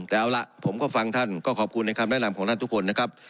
แต่เอาล่ะผมก็ฟังท่านก็ขอบคุณในคำแนะนำของท่านทุกคนนะครับ